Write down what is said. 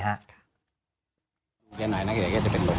แกหน่อยนะเดี๋ยวจะเป็นลม